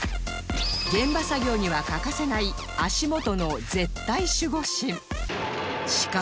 現場作業には欠かせない足元の絶対守護神